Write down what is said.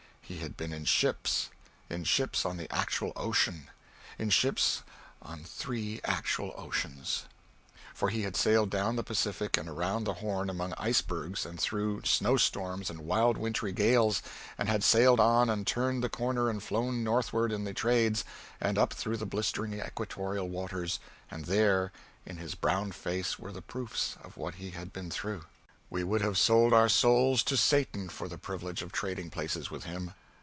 He had been in ships in ships on the actual ocean; in ships on three actual oceans. For he had sailed down the Pacific and around the Horn among icebergs and through snow storms and wild wintry gales, and had sailed on and turned the corner and flown northward in the trades and up through the blistering equatorial waters and there in his brown face were the proofs of what he had been through. We would have sold our souls to Satan for the privilege of trading places with him.